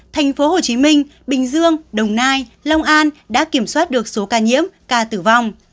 bình minh bình dương đồng nai long an đã kiểm soát được số ca nhiễm ca tử vong